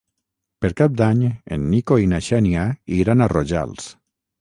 Per Cap d'Any en Nico i na Xènia iran a Rojals.